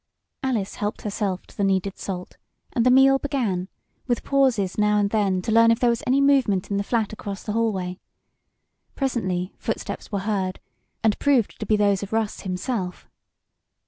Alice helped herself to the needed salt, and the meal began, with pauses now and then to learn if there was any movement in the flat across the hallway. Presently footsteps were heard, and proved to be those of Russ himself.